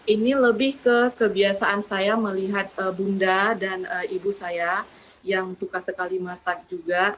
ini lebih ke kebiasaan saya melihat bunda dan ibu saya yang suka sekali masak juga